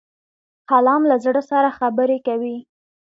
قلم له زړه سره خبرې کوي